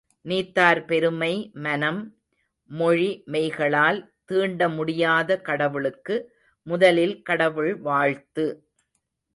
நீத்தார் பெருமை மனம், மொழி, மெய்களால் தீண்ட முடியாத கடவுளுக்கு முதலில் கடவுள் வாழ்த்து!